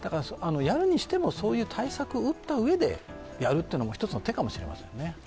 やるにしても対策を打ったうえでやるというのも一つの手かもしれないですね。